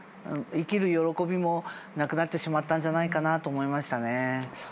生きる喜びもなくなってしまったんじゃないかなと思いましたね。